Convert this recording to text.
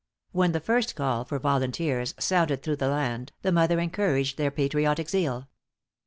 When the first call for volunteers sounded through the land, the mother encouraged their patriotic zeal.